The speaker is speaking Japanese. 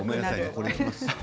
これいきます。